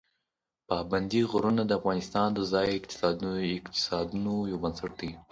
پابندي غرونه د افغانستان د ځایي اقتصادونو یو بنسټ دی.